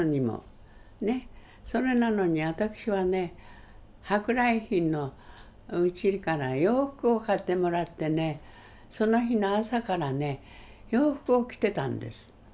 それなのに私はね舶来品のうちから洋服を買ってもらってねその日の朝からね洋服を着てたんです。